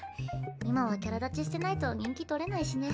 今はキャラ立ちしてないと人気取れないしね。